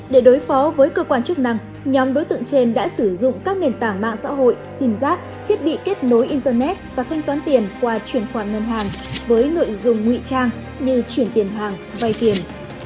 để đối phó với cơ quan chức năng nhóm đối tượng trên đã sử dụng các nền tảng mạng xã hội sim giác thiết bị kết nối internet và thanh toán tiền qua chuyển khoản ngân hàng với nội dung nguy trang như chuyển tiền hàng vay tiền